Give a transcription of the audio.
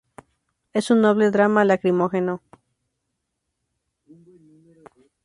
Es un noble drama lacrimógeno.